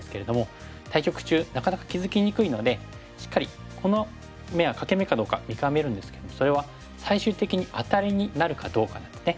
対局中なかなか気付きにくいのでしっかりこの眼は欠け眼かどうか見極めるんですけどそれは最終的にアタリになるかどうかなんですね。